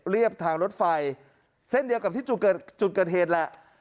เรียบทางรถไฟเส้นเดียวกับที่จุดเกิดเหตุแหละ